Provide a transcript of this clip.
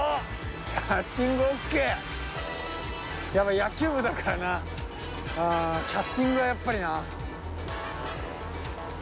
やっぱ野球部だからなキャスティングはやっぱりな。